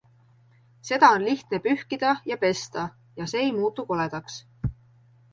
Seda on lihtne pühkida ja pesta ja see ei muutu koledaks.